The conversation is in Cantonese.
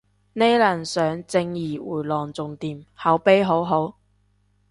呢輪上正義迴廊仲掂，口碑好好